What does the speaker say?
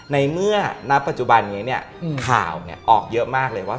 ในเมื่อณปัจจุบันนี้เนี่ยข่าวออกเยอะมากเลยว่า